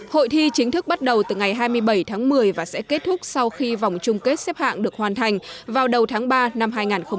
hội thi chính thức bắt đầu từ ngày hai mươi bảy tháng một mươi và sẽ kết thúc sau khi vòng chung kết xếp hạng được hoàn thành vào đầu tháng ba năm hai nghìn hai mươi